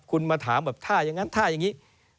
คุณมาถามแบบถ้ายังงั้นถ้ายังงี้